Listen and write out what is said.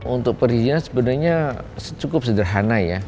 untuk perizinan sebenarnya cukup sederhana